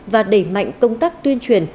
và đẩy mạnh công tác tuyên truyền